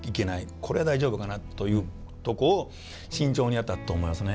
これは大丈夫かなというとこを慎重にやってはったと思いますね。